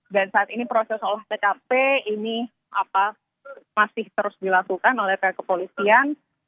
dan saat ini proses olah pkp ini apa masih terus dilakukan oleh pihak kepolisian